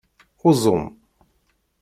Uẓum.